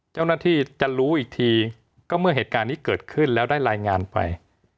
เจ้าหน้าที่จะรู้อีกทีก็เมื่อเหตุการณ์นี้เกิดขึ้นแล้วได้รายงานไป